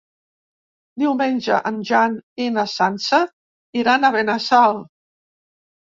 Diumenge en Jan i na Sança iran a Benassal.